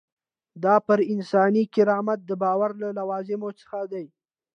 دا پر انساني کرامت د باور له لوازمو څخه دی.